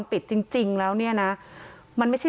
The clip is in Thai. กลุ่มวัยรุ่นกลัวว่าจะไม่ได้รับความเป็นธรรมทางด้านคดีจะคืบหน้า